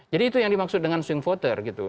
jadi itu yang dimaksud dengan swing voter gitu